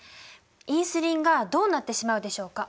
インスリンがどうなってしまうでしょうか？